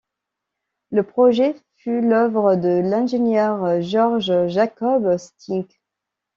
Le projet fut l'œuvre de l'ingénieur Georg Jakob Steenke.